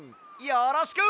よろしく！